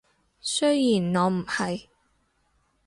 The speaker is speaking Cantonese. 雖然我唔係